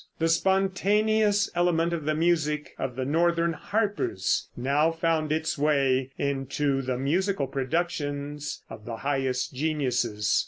The spontaneous element of the music of the northern harpers now found its way into the musical productions of the highest geniuses.